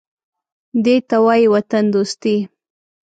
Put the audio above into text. _دې ته وايي وطندوستي.